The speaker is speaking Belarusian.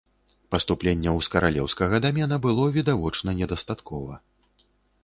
Паступленняў з каралеўскага дамена было відавочна недастаткова.